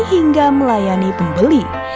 hingga melayani pembeli